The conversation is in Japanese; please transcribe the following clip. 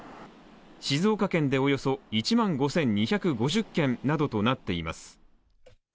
静岡県でおよそ１万５２５０軒などとなっています。